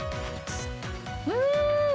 うん！